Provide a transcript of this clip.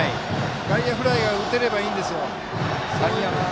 外野フライが打てればいいんですよ。